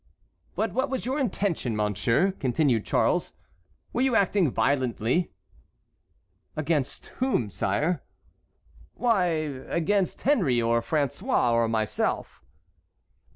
"But what was your intention, monsieur?" continued Charles; "were you acting violently?" "Against whom, sire?" "Why, against Henry, or François, or myself."